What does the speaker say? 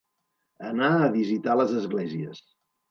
Anar a visitar les esglésies.